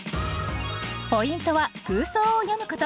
ポイントは空想を詠むこと。